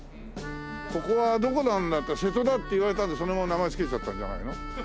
「ここはどこなんだ？」って「瀬戸だ」って言われたんでそのまま名前付けちゃったんじゃないの？